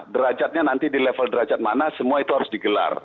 derajatnya nanti di level derajat mana semua itu harus digelar